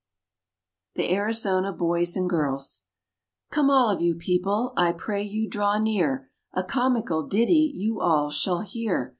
THE ARIZONA BOYS AND GIRLS Come all of you people, I pray you draw near, A comical ditty you all shall hear.